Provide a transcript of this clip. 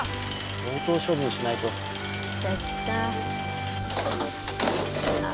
相当処分しないと。来た来た。